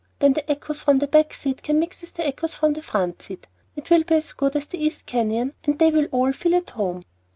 Then the 'echoes' from the back seat can mix with the 'echoes' from the front seat; and it will be as good as the East Canyon, and they will all feel at home."